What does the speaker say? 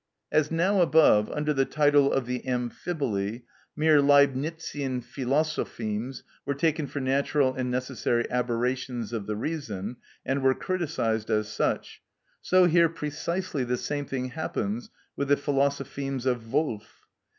As now above, under the title of the Amphiboly, mere Leibnitzian philosophemes were taken for natural and necessary aberrations of the reason, and were criticised as such, so here precisely the same thing happens with the philosophemes of Wolf.